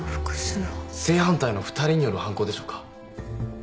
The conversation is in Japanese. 正反対の２人による犯行でしょうか？